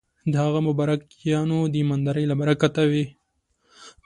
د هغه مبارک یارانو د ایماندارۍ له برکته وې.